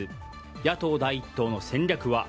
野党第１党の戦略は。